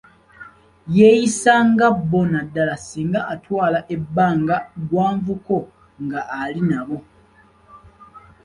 Yeeyisa nga bo naddala singa atwala ebbanga ggwanvuko nga ali nabo.